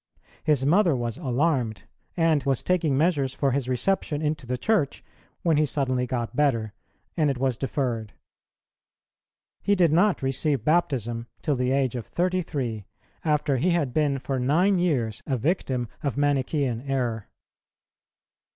His mother was alarmed, and was taking measures for his reception into the Church, when he suddenly got better, and it was deferred. He did not receive baptism till the age of thirty three, after he had been for nine years a victim of Manichæan error.